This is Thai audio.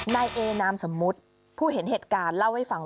นายเอนามสมมุติผู้เห็นเหตุการณ์เล่าให้ฟัง